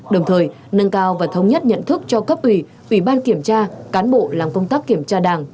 đồng thời nâng cao và thống nhất nhận thức cho cấp ủy ủy ban kiểm tra cán bộ làm công tác kiểm tra đảng